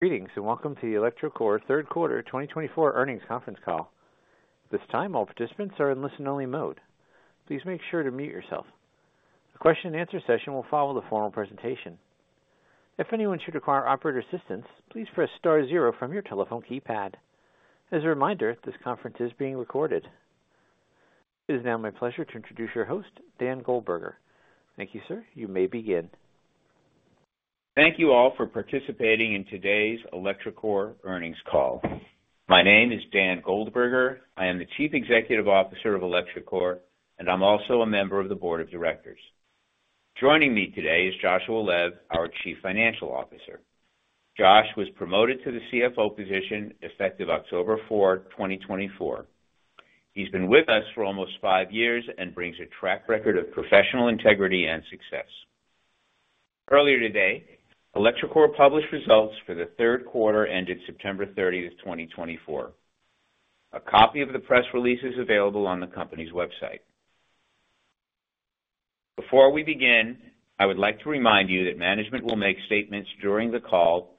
Greetings and welcome to the electroCore Q3 2024 earnings conference call. At this time, all participants are in listen-only mode. Please make sure to mute yourself. The question-and-answer session will follow the formal presentation. If anyone should require operator assistance, please press star zero from your telephone keypad. As a reminder, this conference is being recorded. It is now my pleasure to introduce your host, Dan Goldberger. Thank you, sir. You may begin. Thank you all for participating in today's electroCore earnings call. My name is Dan Goldberger. I am the Chief Executive Officer of electroCore, and I'm also a member of the board of directors. Joining me today is Joshua Lev, our Chief Financial Officer. Josh was promoted to the CFO position effective October 4, 2024. He's been with us for almost five years and brings a track record of professional integrity and success. Earlier today, electroCore published results for the Q3 ended September 30, 2024. A copy of the press release is available on the company's website. Before we begin, I would like to remind you that management will make statements during the call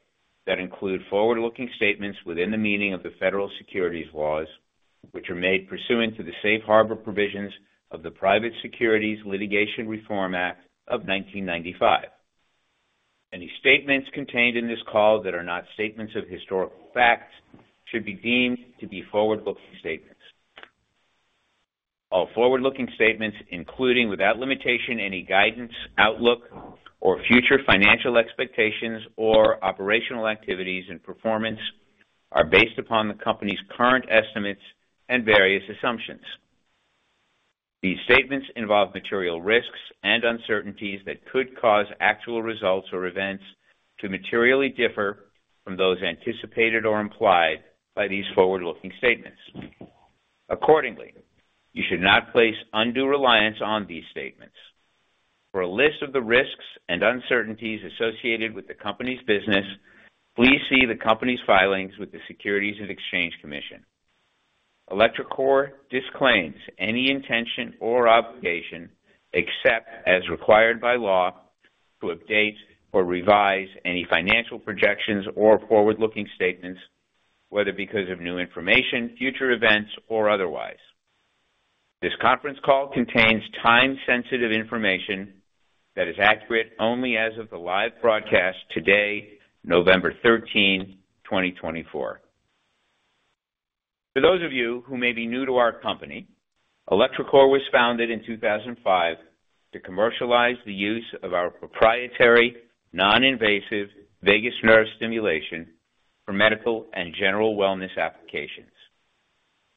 that include forward-looking statements within the meaning of the federal securities laws, which are made pursuant to the safe harbor provisions of the Private Securities Litigation Reform Act of 1995. Any statements contained in this call that are not statements of historical facts should be deemed to be forward-looking statements. All forward-looking statements, including without limitation any guidance, outlook, or future financial expectations or operational activities and performance, are based upon the company's current estimates and various assumptions. These statements involve material risks and uncertainties that could cause actual results or events to materially differ from those anticipated or implied by these forward-looking statements. Accordingly, you should not place undue reliance on these statements. For a list of the risks and uncertainties associated with the company's business, please see the company's filings with the Securities and Exchange Commission. electroCore disclaims any intention or obligation, except as required by law, to update or revise any financial projections or forward-looking statements, whether because of new information, future events, or otherwise. This conference call contains time-sensitive information that is accurate only as of the live broadcast today, November 13, 2024. For those of you who may be new to our company, electroCore was founded in 2005 to commercialize the use of our proprietary non-invasive vagus nerve stimulation for medical and general wellness applications.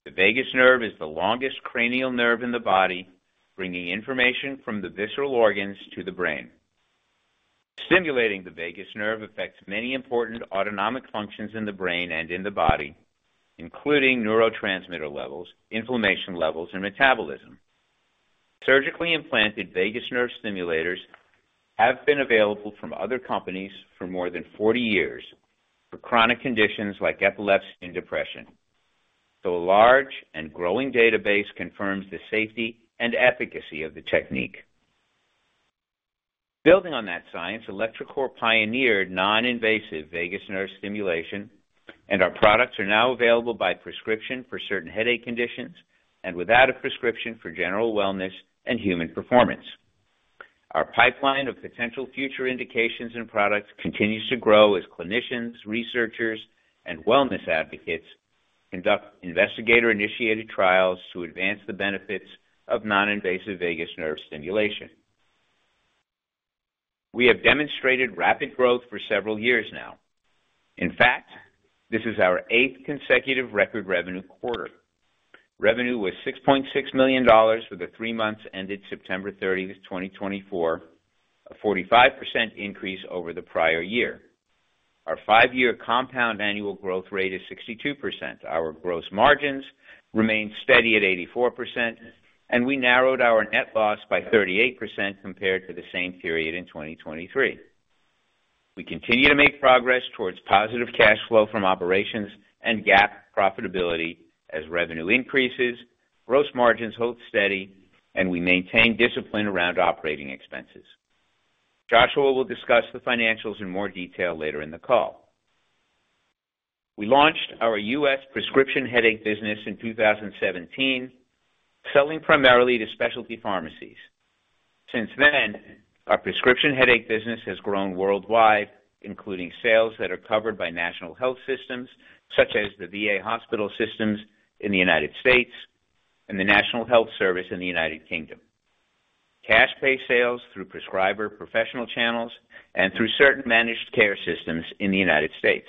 The vagus nerve is the longest cranial nerve in the body, bringing information from the visceral organs to the brain. Stimulating the vagus nerve affects many important autonomic functions in the brain and in the body, including neurotransmitter levels, inflammation levels, and metabolism. Surgically implanted vagus nerve stimulators have been available from other companies for more than 40 years for chronic conditions like epilepsy and depression, so a large and growing database confirms the safety and efficacy of the technique. Building on that science, electroCore pioneered non-invasive vagus nerve stimulation, and our products are now available by prescription for certain headache conditions and without a prescription for general wellness and human performance. Our pipeline of potential future indications and products continues to grow as clinicians, researchers, and wellness advocates conduct investigator-initiated trials to advance the benefits of non-invasive vagus nerve stimulation. We have demonstrated rapid growth for several years now. In fact, this is our eighth consecutive record revenue quarter. Revenue was $6.6 million for the three months ended September 30, 2024, a 45% increase over the prior year. Our five-year compound annual growth rate is 62%. Our gross margins remain steady at 84%, and we narrowed our net loss by 38% compared to the same period in 2023. We continue to make progress towards positive cash flow from operations and GAAP profitability as revenue increases, gross margins hold steady, and we maintain discipline around operating expenses. Joshua will discuss the financials in more detail later in the call. We launched our U.S. prescription headache business in 2017, selling primarily to specialty pharmacies. Since then, our prescription headache business has grown worldwide, including sales that are covered by national health systems such as the VA hospital systems in the United States and the National Health Service in the United Kingdom, cash pay sales through prescriber professional channels, and through certain managed care systems in the United States.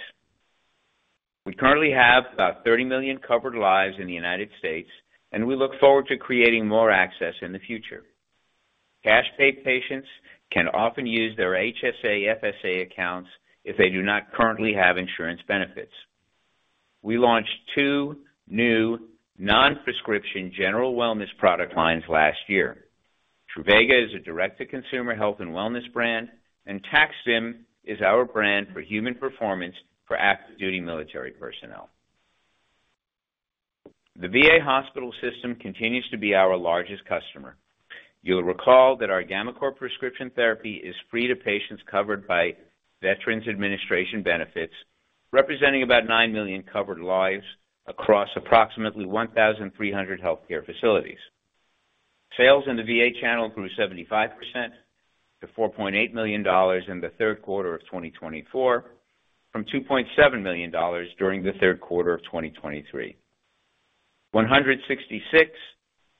We currently have about 30 million covered lives in the United States, and we look forward to creating more access in the future. Cash pay patients can often use their HSA/FSA accounts if they do not currently have insurance benefits. We launched two new non-prescription general wellness product lines last year. Truvaga is a direct-to-consumer health and wellness brand, and TAC-STIM is our brand for human performance for active duty military personnel. The VA hospital system continues to be our largest customer. You'll recall that our gammaCore prescription therapy is free to patients covered by Veterans Administration benefits, representing about nine million covered lives across approximately 1,300 healthcare facilities. Sales in the VA channel grew 75% to $4.8 million in the Q3 of 2024, from $2.7 million during the Q3 of 2023. 166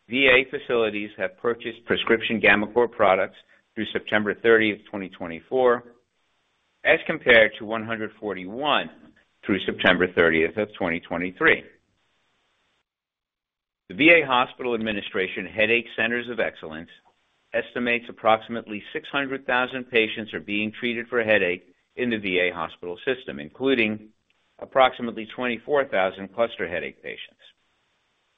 VA facilities have purchased prescription gammaCore products through September 30, 2024, as compared to 141 through September 30, 2023. The Veterans Health Administration Headache Centers of Excellence estimates approximately 600,000 patients are being treated for headache in the VA hospital system, including approximately 24,000 cluster headache patients.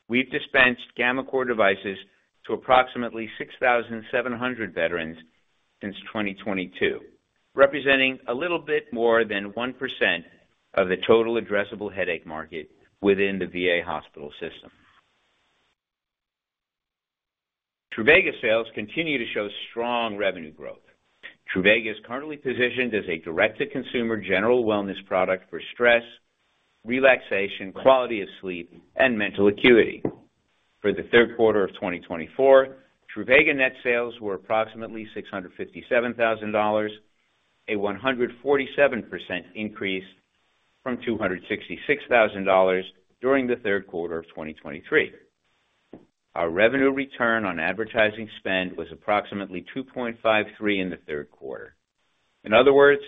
We've dispensed gammaCore devices to approximately 6,700 veterans since 2022, representing a little bit more than 1% of the total addressable headache market within the VA hospital system. Truvaga sales continue to show strong revenue growth. Truvaga is currently positioned as a direct-to-consumer general wellness product for stress, relaxation, quality of sleep, and mental acuity. For the Q3 of 2024, Truvaga net sales were approximately $657,000, a 147% increase from $266,000 during the Q3 of 2023. Our revenue return on advertising spend was approximately 2.53x in the Q3. In other words,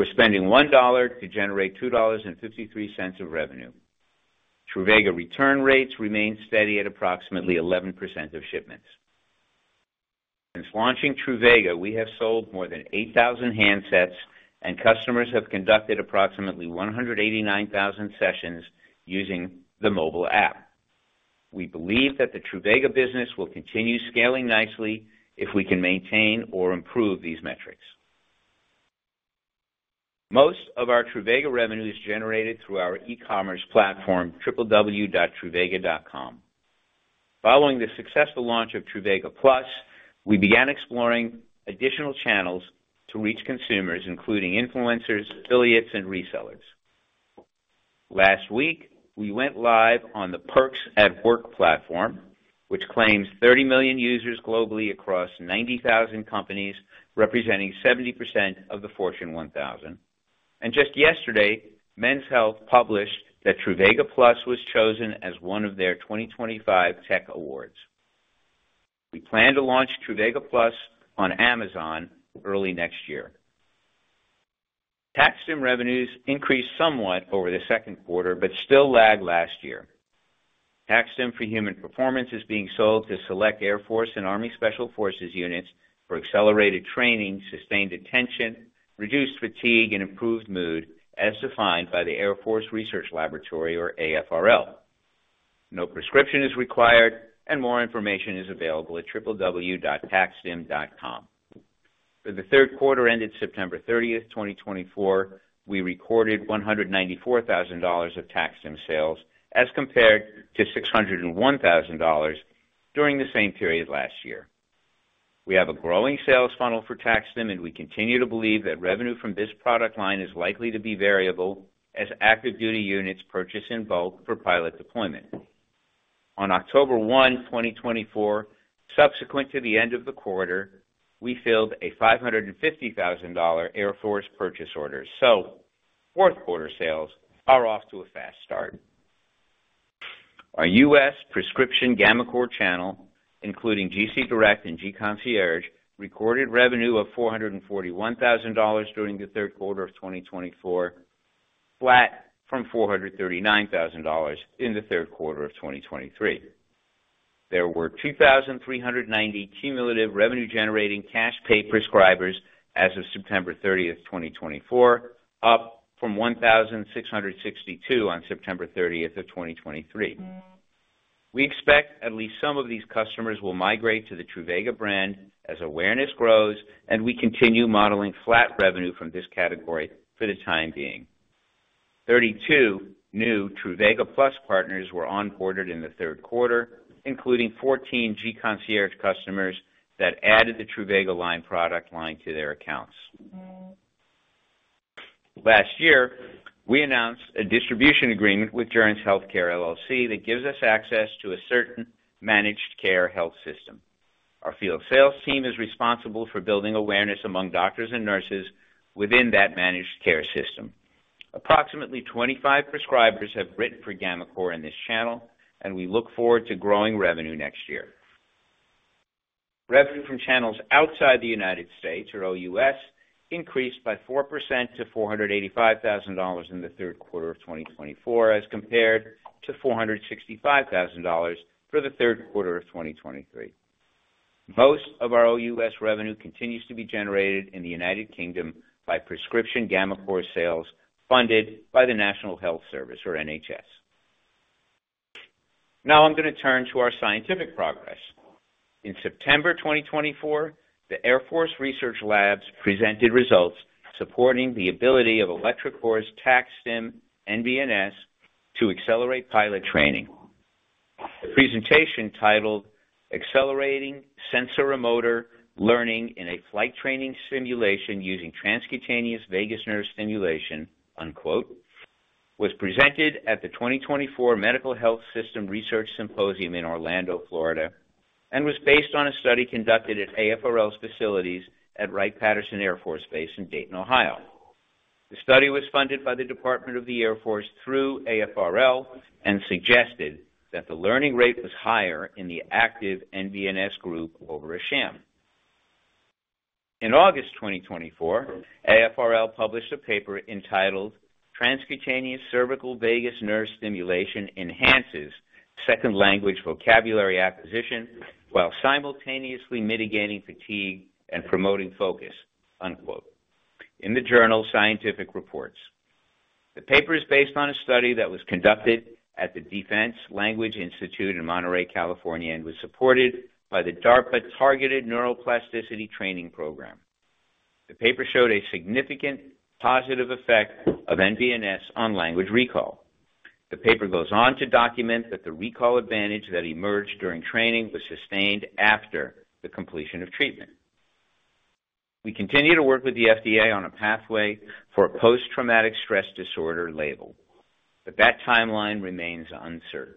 we're spending $1 to generate $2.53 of revenue. Truvaga return rates remain steady at approximately 11% of shipments. Since launching Truvaga, we have sold more than 8,000 handsets, and customers have conducted approximately 189,000 sessions using the mobile app. We believe that the Truvaga business will continue scaling nicely if we can maintain or improve these metrics. Most of our Truvaga revenue is generated through our e-commerce platform, www.Truvaga.com. Following the successful launch of Truvaga Plus, we began exploring additional channels to reach consumers, including influencers, affiliates, and resellers. Last week, we went live on the Perks at Work platform, which claims 30 million users globally across 90,000 companies, representing 70% of the Fortune 1000, and just yesterday, Men's Health published that Truvaga Plus was chosen as one of their 2025 tech awards. We plan to launch Truvaga Plus on Amazon early next year. TAC-STIM revenues increased somewhat over the Q2 but still lagged last year. TAC-STIM for human performance is being sold to select Air Force and Army Special Forces units for accelerated training, sustained attention, reduced fatigue, and improved mood, as defined by the Air Force Research Laboratory, or AFRL. No prescription is required, and more information is available at www.tac-stim.com. For the Q3 ended September 30, 2024, we recorded $194,000 of TAC-STIM sales as compared to $601,000 during the same period last year. We have a growing sales funnel for TAC-STIM, and we continue to believe that revenue from this product line is likely to be variable as active duty units purchase in bulk for pilot deployment. On October 1, 2024, subsequent to the end of the quarter, we filled a $550,000 Air Force purchase order. So, Q4 sales are off to a fast start. Our U.S prescription gammaCore channel, including gC Direct and gConcierge, recorded revenue of $441,000 during the Q3 of 2024, flat from $439,000 in the Q3 of 2023. There were 2,390 cumulative revenue-generating cash pay prescribers as of September 30, 2024, up from 1,662 on September 30, 2023. We expect at least some of these customers will migrate to the Truvaga brand as awareness grows, and we continue modeling flat revenue from this category for the time being. 32 new Truvaga Plus partners were onboarded in the Q3, including 14 gConcierge customers that added the Truvaga line product line to their accounts. Last year, we announced a distribution agreement with Joerns Healthcare, LLC, that gives us access to a certain managed care health system. Our field sales team is responsible for building awareness among doctors and nurses within that managed care system. Approximately 25 prescribers have written for gammaCore in this channel, and we look forward to growing revenue next year. Revenue from channels outside the United States, or OUS, increased by 4% to $485,000 in the Q3 of 2024, as compared to $465,000 for the Q3 of 2023. Most of our OUS revenue continues to be generated in the United Kingdom by prescription gammaCore sales funded by the National Health Service, or NHS. Now I'm going to turn to our scientific progress. In September 2024, the Air Force Research Laboratory presented results supporting the ability of electroCore's TAC-STIM nVNS to accelerate pilot training. The presentation titled, "Accelerating Sensorimotor Learning in a Flight Training Simulation Using Transcutaneous Vagus Nerve Stimulation," was presented at the 2024 Military Health System Research Symposium in Orlando, Florida, and was based on a study conducted at AFRL's facilities at Wright-Patterson Air Force Base in Dayton, Ohio. The study was funded by the Department of the Air Force through AFRL and suggested that the learning rate was higher in the active nVNS group over a sham. In August 2024, AFRL published a paper entitled, "Transcutaneous Cervical Vagus Nerve Stimulation Enhances Second Language Vocabulary Acquisition While Simultaneously Mitigating Fatigue and Promoting Focus," in the journal Scientific Reports. The paper is based on a study that was conducted at the Defense Language Institute in Monterey, California, and was supported by the DARPA Targeted Neuroplasticity Training Program. The paper showed a significant positive effect of nVNS on language recall. The paper goes on to document that the recall advantage that emerged during training was sustained after the completion of treatment. We continue to work with the FDA on a pathway for a post-traumatic stress disorder label, but that timeline remains uncertain.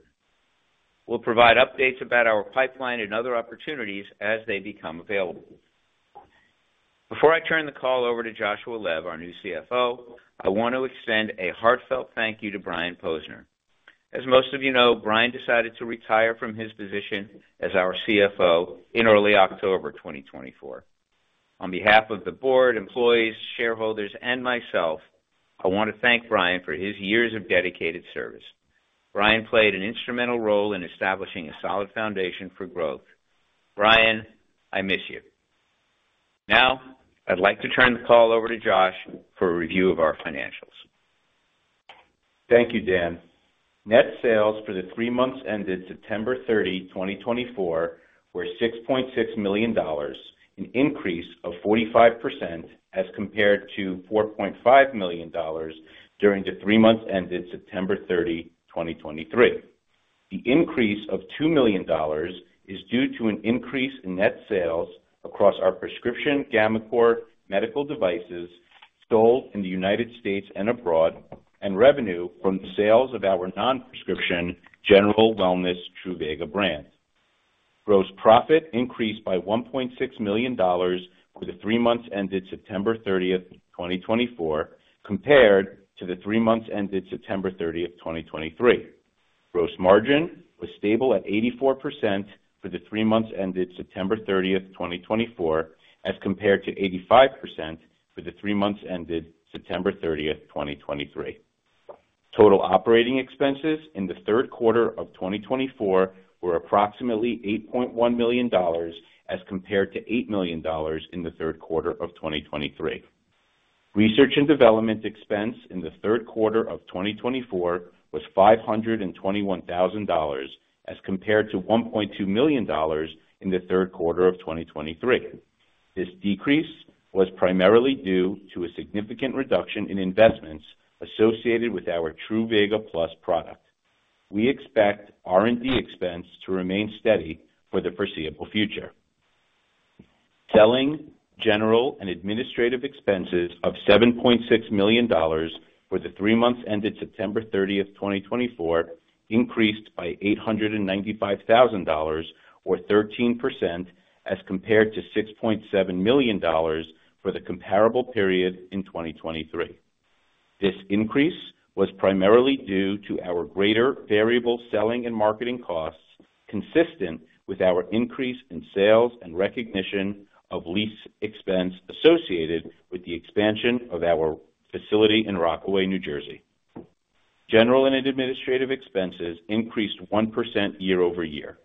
We'll provide updates about our pipeline and other opportunities as they become available. Before I turn the call over to Joshua Lev, our new CFO, I want to extend a heartfelt thank you to Brian Posner. As most of you know, Brian decided to retire from his position as our CFO in early October 2024. On behalf of the board, employees, shareholders, and myself, I want to thank Brian for his years of dedicated service. Brian played an instrumental role in establishing a solid foundation for growth. Brian, I miss you. Now, I'd like to turn the call over to Josh for a review of our financials. Thank you, Dan. Net sales for the three months ended September 30, 2024, were $6.6 million, an increase of 45% as compared to $4.5 million during the three months ended September 30, 2023. The increase of $2 million is due to an increase in net sales across our prescription gammaCore medical devices sold in the United States and abroad, and revenue from the sales of our non-prescription general wellness Truvaga brand. Gross profit increased by $1.6 million for the three months ended September 30, 2024, compared to the three months ended September 30, 2023. Gross margin was stable at 84% for the three months ended September 30, 2024, as compared to 85% for the three months ended September 30, 2023. Total operating expenses in the Q3 of 2024 were approximately $8.1 million as compared to $8 million in the Q3 of 2023. Research and development expense in the Q3 of 2024 was $521,000 as compared to $1.2 million in the Q3 of 2023. This decrease was primarily due to a significant reduction in investments associated with our Truvaga Plus product. We expect R&D expense to remain steady for the foreseeable future. Selling general and administrative expenses of $7.6 million for the three months ended September 30, 2024, increased by $895,000, or 13%, as compared to $6.7 million for the comparable period in 2023. This increase was primarily due to our greater variable selling and marketing costs, consistent with our increase in sales and recognition of lease expense associated with the expansion of our facility in Rockaway, New Jersey. General and administrative expenses increased 1% year-over-year.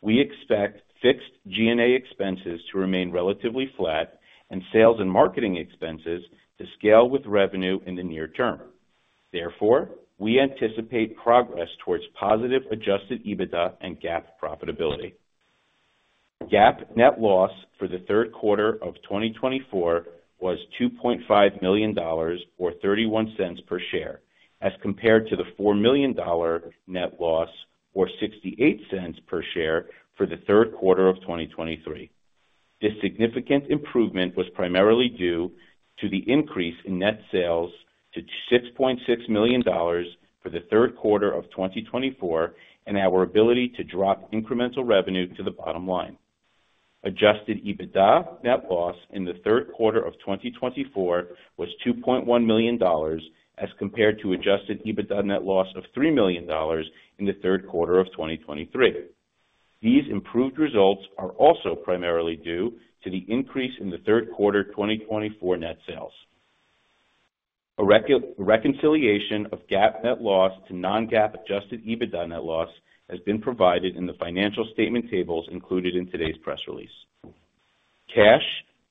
We expect fixed G&A expenses to remain relatively flat and sales and marketing expenses to scale with revenue in the near term. Therefore, we anticipate progress towards positive Adjusted EBITDA and GAAP profitability. GAAP net loss for the Q3 of 2024 was $2.5 million, or $0.31 per share, as compared to the $4 million net loss, or $0.68 per share for the Q3 of 2023. This significant improvement was primarily due to the increase in net sales to $6.6 million for the Q3 of 2024 and our ability to drop incremental revenue to the bottom line. Adjusted EBITDA net loss in the Q3 of 2024 was $2.1 million, as compared to Adjusted EBITDA net loss of $3 million in the Q3 of 2023. These improved results are also primarily due to the increase in the Q3 2024 net sales. Reconciliation of GAAP net loss to non-GAAP Adjusted EBITDA net loss has been provided in the financial statement tables included in today's press release. Cash,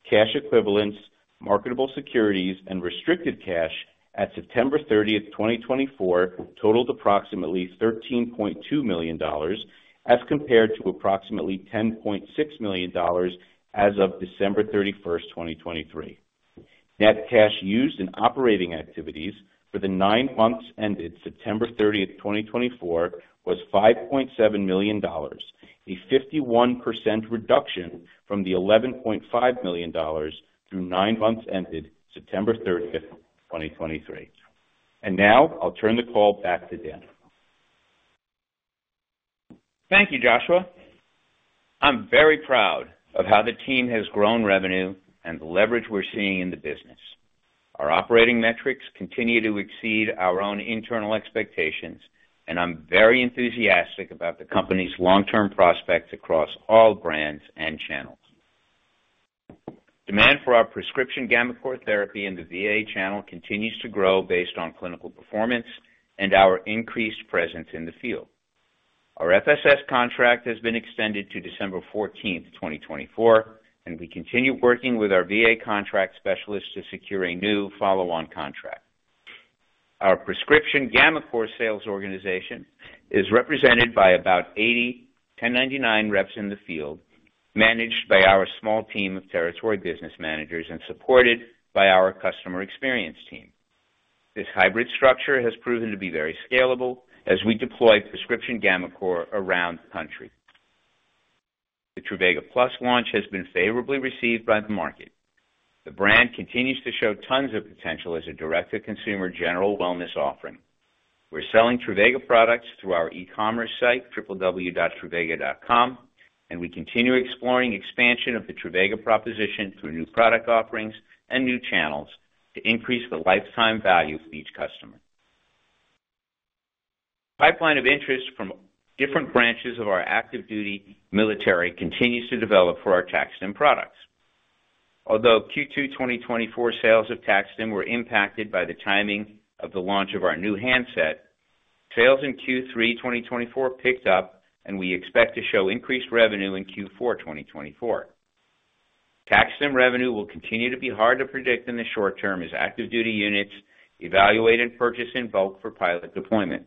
cash equivalents, marketable securities, and restricted cash at September 30, 2024, totaled approximately $13.2 million, as compared to approximately $10.6 million as of December 31, 2023. Net cash used in operating activities for the nine months ended September 30, 2024, was $5.7 million, a 51% reduction from the $11.5 million through nine months ended September 30, 2023. And now I'll turn the call back to Dan. Thank you, Joshua. I'm very proud of how the team has grown revenue and the leverage we're seeing in the business. Our operating metrics continue to exceed our own internal expectations, and I'm very enthusiastic about the company's long-term prospects across all brands and channels. Demand for our prescription gammaCore therapy in the VA channel continues to grow based on clinical performance and our increased presence in the field. Our FSS contract has been extended to December 14, 2024, and we continue working with our VA contract specialists to secure a new follow-on contract. Our prescription gammaCore sales organization is represented by about 80 1099 reps in the field, managed by our small team of territory business managers and supported by our customer experience team. This hybrid structure has proven to be very scalable as we deploy prescription gammaCore around the country. The Truvaga Plus launch has been favorably received by the market. The brand continues to show tons of potential as a direct-to-consumer general wellness offering. We're selling Truvaga products through our e-commerce site, www.Truvaga.com, and we continue exploring expansion of the Truvaga proposition through new product offerings and new channels to increase the lifetime value for each customer. Pipeline of interest from different branches of our active duty military continues to develop for our TAC-STIM products. Although Q2 2024 sales of TAC-STIM were impacted by the timing of the launch of our new handset, sales in Q3 2024 picked up, and we expect to show increased revenue in Q4 2024. TAC-STIM revenue will continue to be hard to predict in the short term as active duty units evaluate and purchase in bulk for pilot deployment.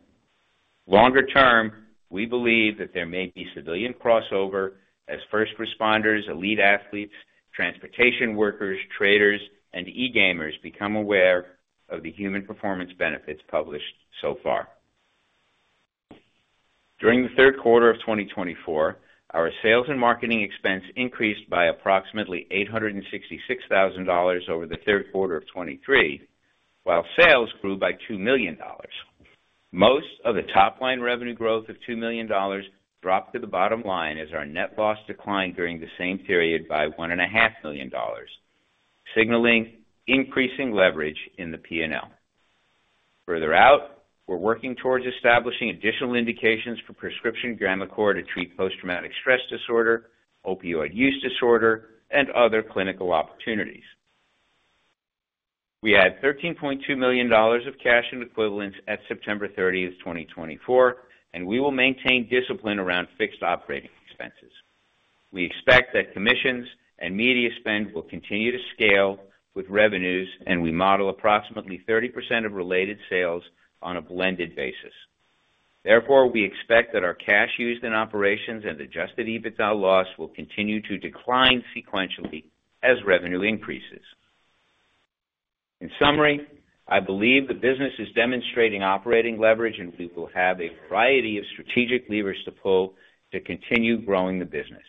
Longer term, we believe that there may be civilian crossover as first responders, elite athletes, transportation workers, traders, and e-gamers become aware of the human performance benefits published so far. During the Q3 of 2024, our sales and marketing expense increased by approximately $866,000 over the Q3 of 2023, while sales grew by $2 million. Most of the top-line revenue growth of $2 million dropped to the bottom line as our net loss declined during the same period by $1.5 million, signaling increasing leverage in the P&L. Further out, we're working towards establishing additional indications for prescription gammaCore to treat post-traumatic stress disorder, opioid use disorder, and other clinical opportunities. We had $13.2 million of cash and equivalents at September 30, 2024, and we will maintain discipline around fixed operating expenses. We expect that commissions and media spend will continue to scale with revenues, and we model approximately 30% of related sales on a blended basis. Therefore, we expect that our cash used in operations and Adjusted EBITDA loss will continue to decline sequentially as revenue increases. In summary, I believe the business is demonstrating operating leverage, and we will have a variety of strategic levers to pull to continue growing the business.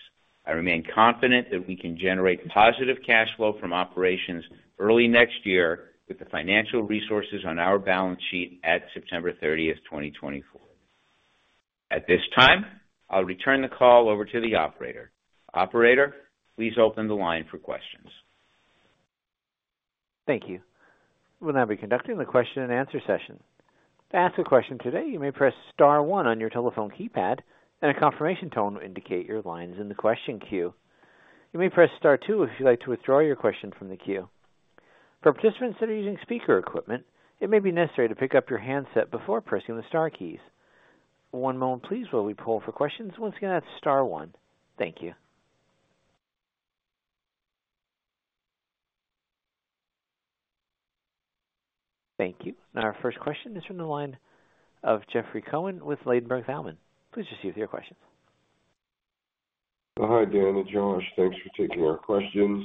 I remain confident that we can generate positive cash flow from operations early next year with the financial resources on our balance sheet at September 30, 2024. At this time, I'll return the call over to the operator. Operator, please open the line for questions. Thank you. We'll now be conducting the question-and-answer session. To ask a question today, you may press star one on your telephone keypad, and a confirmation tone will indicate your lines in the question queue. You may press star two if you'd like to withdraw your question from the queue. For participants that are using speaker equipment, it may be necessary to pick up your handset before pressing the star keys. One moment, please, while we pull for questions. Once again, that's star one. Thank you. Thank you. Now, our first question is from the line of Jeffrey Cohen with Ladenburg Thalmann. Please proceed with your questions. Hi, Dan and Josh. Thanks for taking our questions.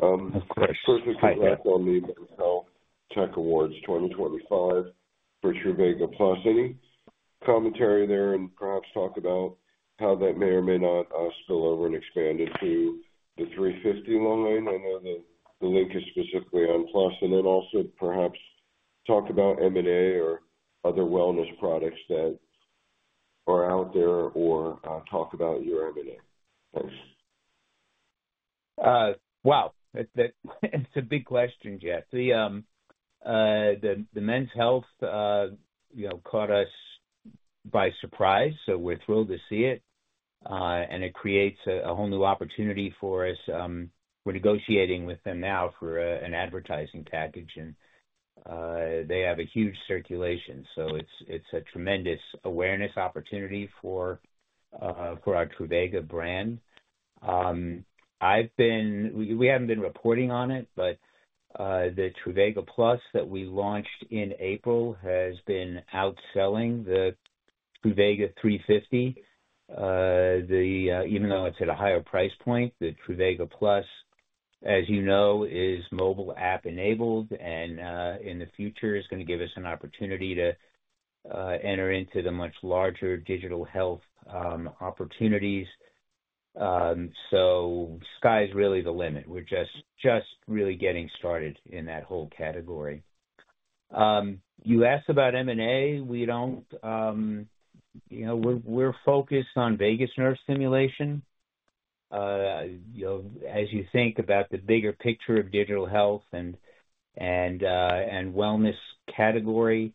Of course. Perfectly back on the Men's Health Tech Awards 2025 for Truvaga Plus. Any commentary there and perhaps talk about how that may or may not spill over and expand into the 350 line? I know the link is specifically on Plus. And then also perhaps talk about M&A or other wellness products that are out there or talk about your M&A. Thanks. Wow. It's a big question, Jeff. The Men's Health caught us by surprise, so we're thrilled to see it. And it creates a whole new opportunity for us. We're negotiating with them now for an advertising package, and they have a huge circulation. So it's a tremendous awareness opportunity for our Truvaga brand. We haven't been reporting on it, but the Truvaga Plus that we launched in April has been outselling the Truvaga 350. Even though it's at a higher price point, the Truvaga Plus, as you know, is mobile app-enabled, and in the future, it's going to give us an opportunity to enter into the much larger digital health opportunities, so sky's really the limit. We're just really getting started in that whole category. You asked about M&A. We're focused on vagus nerve stimulation. As you think about the bigger picture of digital health and wellness category,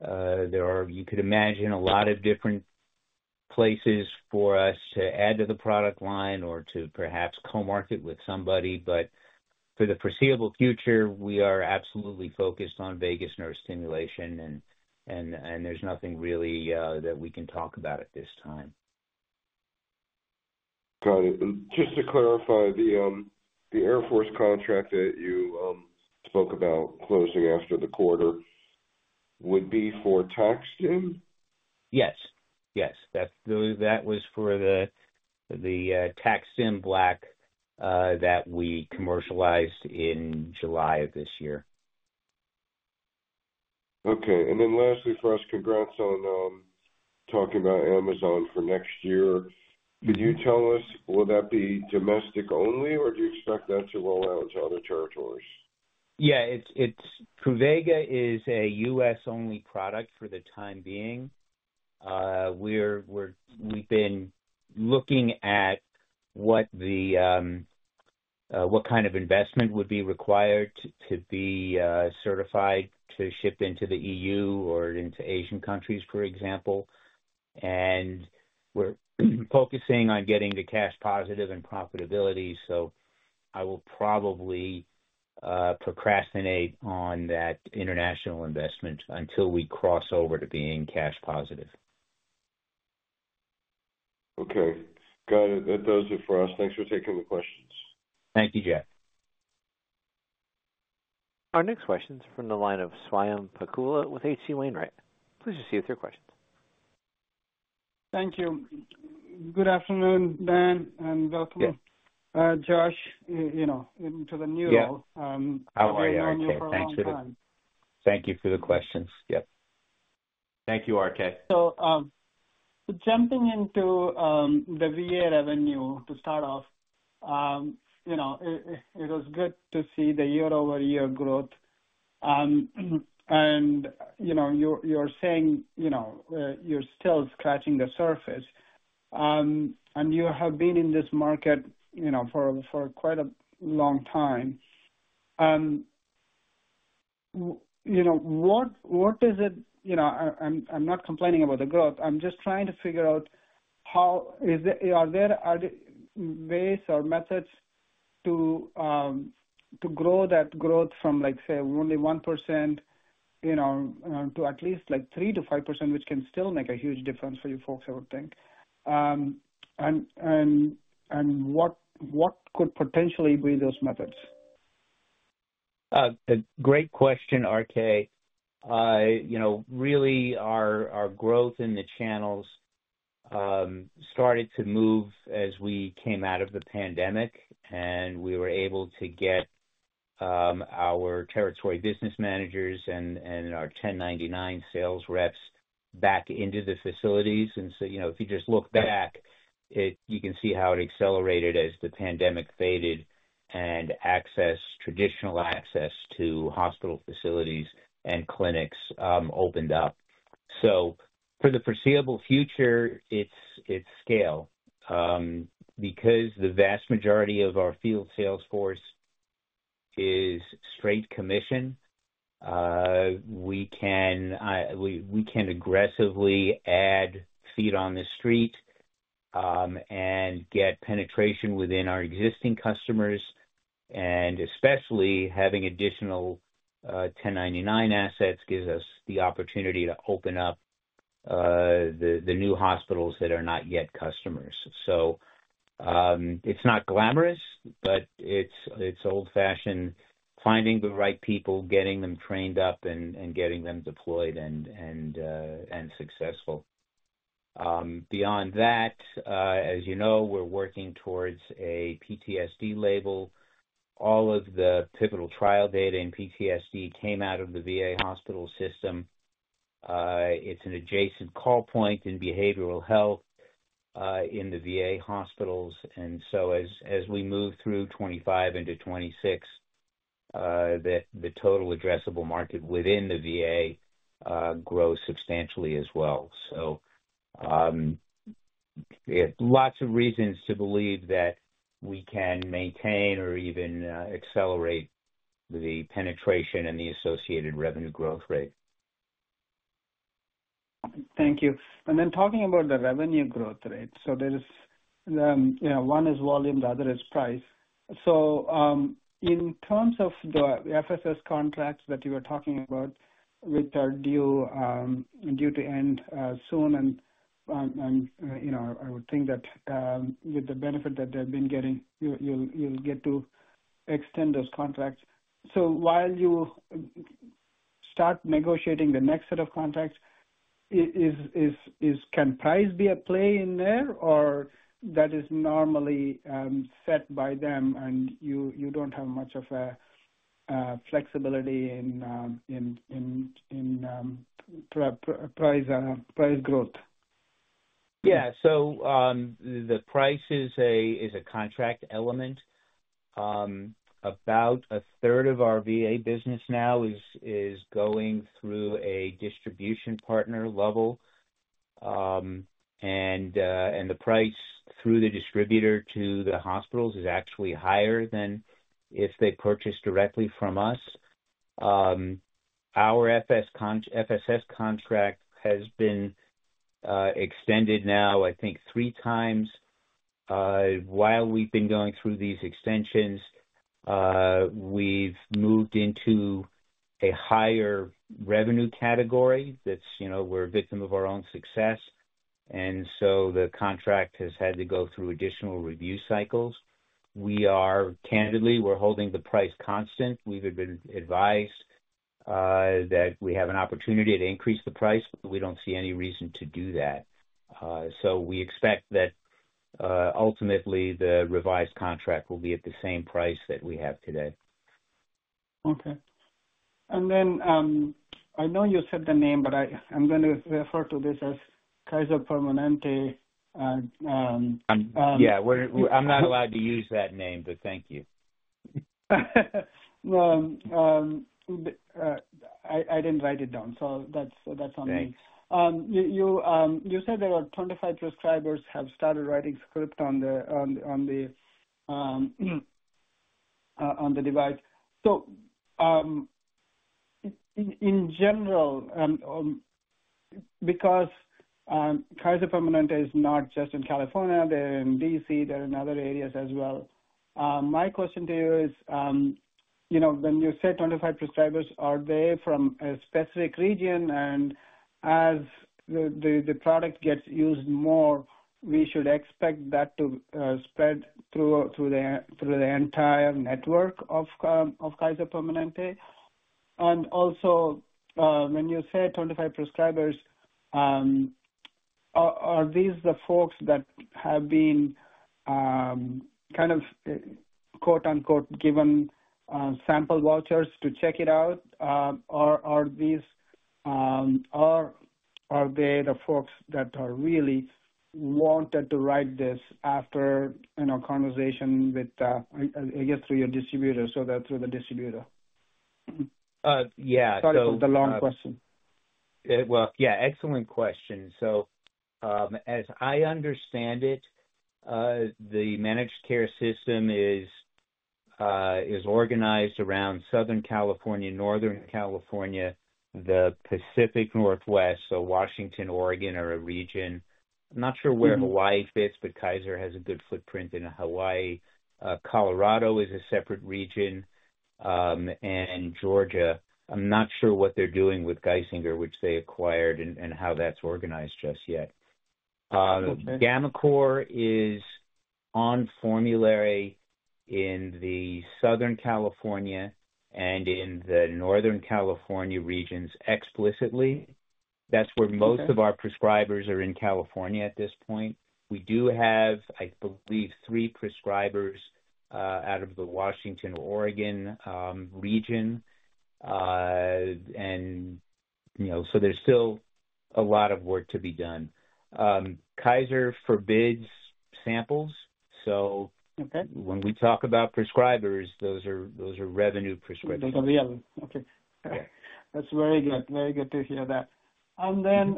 you could imagine a lot of different places for us to add to the product line or to perhaps co-market with somebody. But for the foreseeable future, we are absolutely focused on vagus nerve stimulation, and there's nothing really that we can talk about at this time. Got it. Just to clarify, the Air Force contract that you spoke about closing after the quarter would be for TAC-STIM? Yes. Yes. That was for the TAC-STIM Black that we commercialized in July of this year. Okay. And then lastly, for us, congrats on talking about Amazon for next year. Could you tell us, will that be domestic only, or do you expect that to roll out to other territories? Yeah. Truvaga is a U.S.-only product for the time being. We've been looking at what kind of investment would be required to be certified to ship into the EU or into Asian countries, for example. And we're focusing on getting to cash positive and profitability. So I will probably procrastinate on that international investment until we cross over to being cash positive. Okay. Got it. That does it for us. Thanks for taking the questions. Thank you, Jeff. Our next question is from the line of Swayampakula with H.C. Wainwright. Please proceed with your questions. Thank you. Good afternoon, Dan, and welcome, Josh, into the new world. How are you? Thanks for the time. Thank you for the questions. Yep. Thank you, RK. So jumping into the VA revenue to start off, it was good to see the year-over-year growth. And you're saying you're still scratching the surface, and you have been in this market for quite a long time. What is it? I'm not complaining about the growth. I'm just trying to figure out, are there ways or methods to grow that growth from, say, only 1% to at least 3%-5%, which can still make a huge difference for you folks, I would think. And what could potentially be those methods? Great question, RK. Really, our growth in the channels started to move as we came out of the pandemic, and we were able to get our territory business managers and our 1099 sales reps back into the facilities. And so if you just look back, you can see how it accelerated as the pandemic faded and traditional access to hospital facilities and clinics opened up. So for the foreseeable future, it's scale. Because the vast majority of our field salesforce is straight commission, we can aggressively add feet on the street and get penetration within our existing customers. And especially having additional 1099 assets gives us the opportunity to open up the new hospitals that are not yet customers. So it's not glamorous, but it's old-fashioned finding the right people, getting them trained up, and getting them deployed and successful. Beyond that, as you know, we're working towards a PTSD label. All of the pivotal trial data in PTSD came out of the VA hospital system. It's an adjacent call point in behavioral health in the VA hospitals. And so as we move through 2025 into 2026, the total addressable market within the VA grows substantially as well. So we have lots of reasons to believe that we can maintain or even accelerate the penetration and the associated revenue growth rate. Thank you. And then talking about the revenue growth rate, so one is volume, the other is price. So in terms of the FSS contracts that you were talking about, which are due to end soon, and I would think that with the benefit that they've been getting, you'll get to extend those contracts. So while you start negotiating the next set of contracts, can price be at play in there, or that is normally set by them, and you don't have much of a flexibility in price growth? Yeah. So the price is a contract element. About a third of our VA business now is going through a distribution partner level, and the price through the distributor to the hospitals is actually higher than if they purchase directly from us. Our FSS contract has been extended now, I think, three times. While we've been going through these extensions, we've moved into a higher revenue category that we're a victim of our own success. And so the contract has had to go through additional review cycles. Candidly, we're holding the price constant. We've been advised that we have an opportunity to increase the price, but we don't see any reason to do that. So we expect that ultimately the revised contract will be at the same price that we have today. Okay. And then I know you said the name, but I'm going to refer to this as Kaiser Permanente. Yeah. I'm not allowed to use that name, but thank you. I didn't write it down, so that's on me. You said there are 25 prescribers who have started writing scripts on the device. So in general, because Kaiser Permanente is not just in California, they're in D.C., they're in other areas as well. My question to you is, when you say 25 prescribers, are they from a specific region? And as the product gets used more, we should expect that to spread through the entire network of Kaiser Permanente. Also, when you say 25 prescribers, are these the folks that have been kind of "given sample vouchers" to check it out, or are they the folks that are really wanted to write this after a conversation with, I guess, through your distributor so that through the distributor? Yeah. The long question. Yeah, excellent question. As I understand it, the managed care system is organized around Southern California, Northern California, the Pacific Northwest, so Washington, Oregon, or a region. I'm not sure where Hawaii fits, but Kaiser has a good footprint in Hawaii. Colorado is a separate region, and Georgia. I'm not sure what they're doing with Geisinger, which they acquired, and how that's organized just yet. gammaCore is on formulary in the Southern California and in the Northern California regions explicitly. That's where most of our prescribers are in California at this point. We do have, I believe, three prescribers out of the Washington, Oregon region. And so there's still a lot of work to be done. Kaiser forbids samples. So when we talk about prescribers, those are revenue prescriptions. Okay. That's very good. Very good to hear that. And then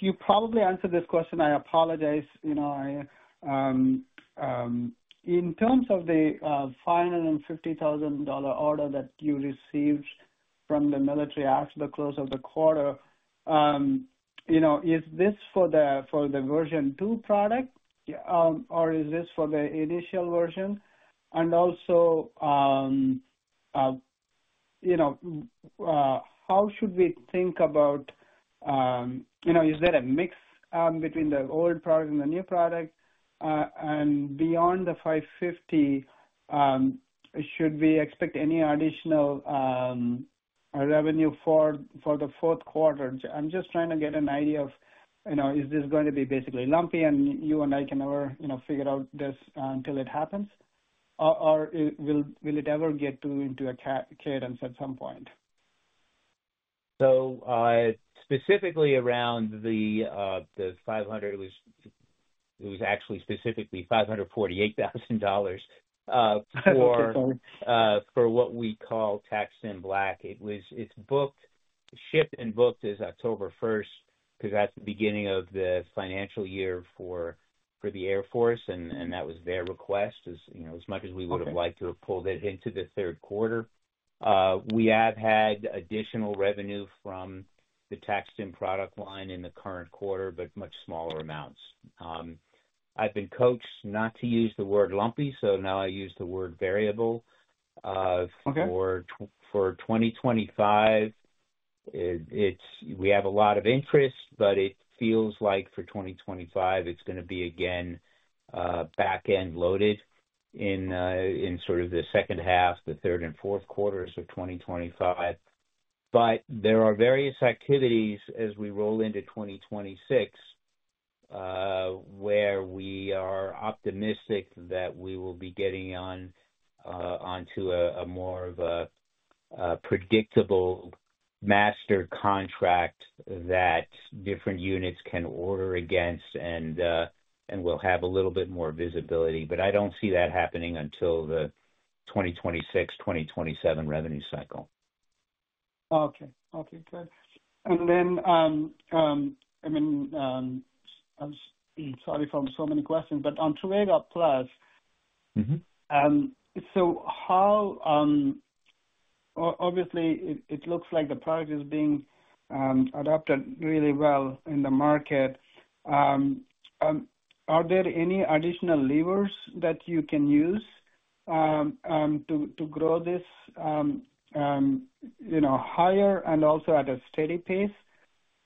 you probably answered this question. I apologize. In terms of the $550,000 order that you received from the military after the close of the quarter, is this for the version two product, or is this for the initial version? And also, how should we think about, is there a mix between the old product and the new product? And beyond the 550, should we expect any additional revenue for the Q4? I'm just trying to get an idea of, is this going to be basically lumpy, and you and I can never figure out this until it happens, or will it ever get into a cadence at some point? Specifically around the 500, it was actually specifically $548,000 for what we call TAC-STIM Black. It's shipped and booked as October 1st because that's the beginning of the financial year for the Air Force, and that was their request, as much as we would have liked to have pulled it into the Q3. We have had additional revenue from the TAC-STIM product line in the current quarter, but much smaller amounts. I've been coached not to use the word lumpy, so now I use the word variable. For 2025, we have a lot of interest, but it feels like for 2025, it's going to be again back-end loaded in sort of the second half, the third, and Q4s of 2025. But there are various activities as we roll into 2026 where we are optimistic that we will be getting onto a more of a predictable master contract that different units can order against, and we'll have a little bit more visibility. But I don't see that happening until the 2026, 2027 revenue cycle. Okay. Okay. Good. And then, I mean, sorry for so many questions, but on Truvaga Plus, so obviously, it looks like the product is being adopted really well in the market. Are there any additional levers that you can use to grow this higher and also at a steady pace,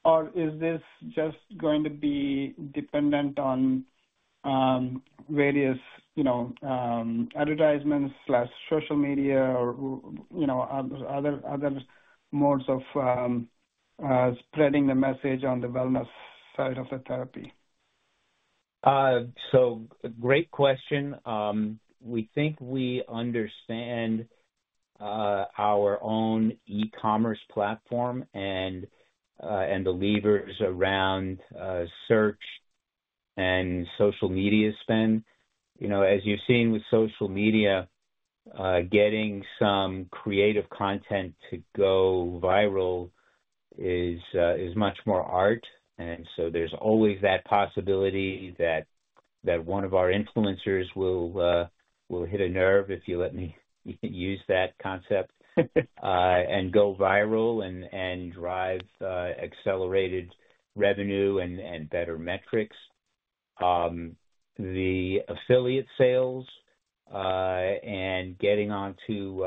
or is this just going to be dependent on various advertisements/social media or other modes of spreading the message on the wellness side of the therapy? So, great question. We think we understand our own e-commerce platform and the levers around search and social media spend. As you've seen with social media, getting some creative content to go viral is much more art. And so there's always that possibility that one of our influencers will hit a nerve, if you let me use that concept, and go viral and drive accelerated revenue and better metrics. The affiliate sales and getting onto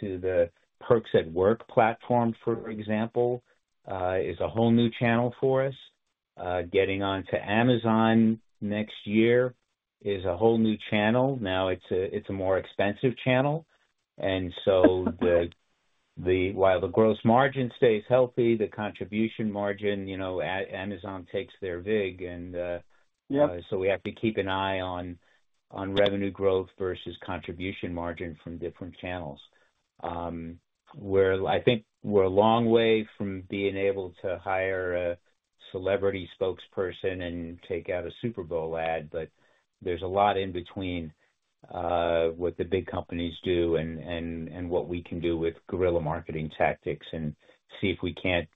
the Perks at Work platform, for example, is a whole new channel for us. Getting onto Amazon next year is a whole new channel. Now, it's a more expensive channel. And so while the gross margin stays healthy, the contribution margin, Amazon takes their vig. And so we have to keep an eye on revenue growth versus contribution margin from different channels. I think we're a long way from being able to hire a celebrity spokesperson and take out a Super Bowl ad, but there's a lot in between what the big companies do and what we can do with guerrilla marketing tactics and see if we can't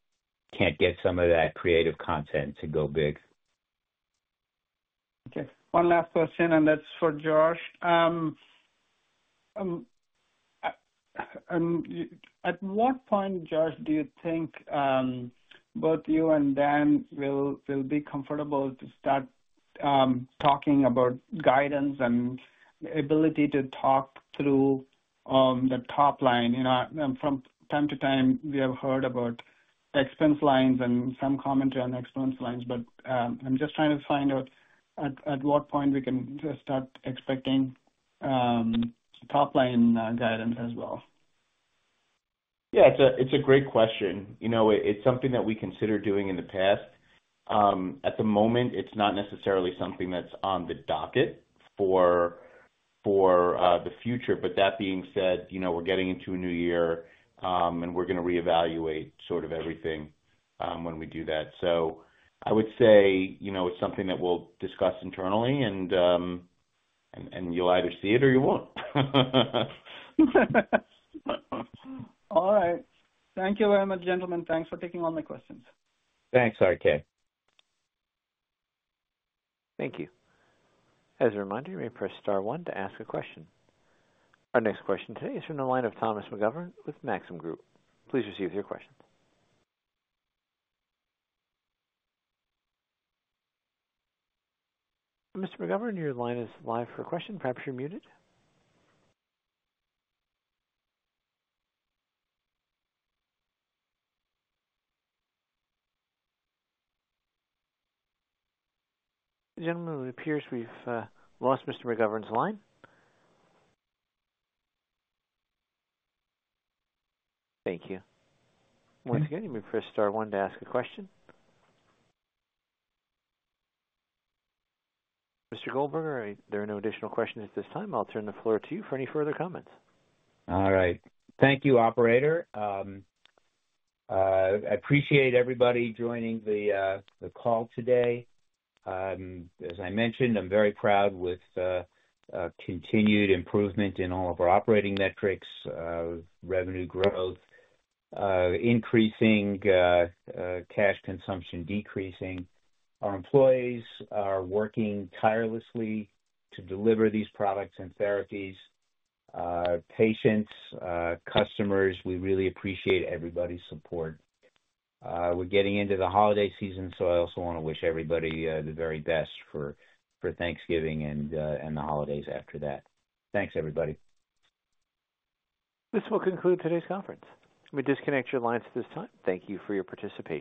get some of that creative content to go big. Okay. One last question, and that's for Josh. At what point, Josh, do you think both you and Dan will be comfortable to start talking about guidance and ability to talk through the top line? From time to time, we have heard about expense lines and some commentary on expense lines, but I'm just trying to find out at what point we can start expecting top line guidance as well. Yeah. It's a great question. It's something that we considered doing in the past. At the moment, it's not necessarily something that's on the docket for the future. But that being said, we're getting into a new year, and we're going to reevaluate sort of everything when we do that. So I would say it's something that we'll discuss internally, and you'll either see it or you won't. All right. Thank you very much, gentlemen. Thanks for taking all my questions. Thanks. Okay. Thank you. As a reminder, you may press star one to ask a question. Our next question today is from the line of Thomas McGovern with Maxim Group. Please proceed with your questions. Mr. McGovern, your line is live for a question. Perhaps you're muted. Gentlemen, it appears we've lost Mr. McGovern's line. Thank you. Once again, you may press star one to ask a question. Mr. Goldberger, there are no additional questions at this time. I'll turn the floor to you for any further comments. All right. Thank you, operator. I appreciate everybody joining the call today. As I mentioned, I'm very proud of continued improvement in all of our operating metrics, revenue growth increasing, cash consumption decreasing. Our employees are working tirelessly to deliver these products and therapies. Patients, customers, we really appreciate everybody's support. We're getting into the holiday season, so I also want to wish everybody the very best for Thanksgiving and the holidays after that. Thanks, everybody. This will conclude today's conference. We disconnect your lines at this time. Thank you for your participation.